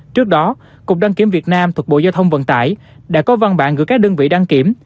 trước đó cục đăng kiểm việt nam thuộc bộ giao thông vận tải đã có văn bản gửi các đơn vị đăng kiểm